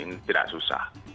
ini tidak susah